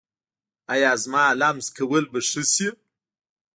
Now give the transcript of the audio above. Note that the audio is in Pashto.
ایا زما لمس کول به ښه شي؟